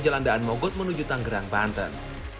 jalan daan mogot menuju tanggerang banten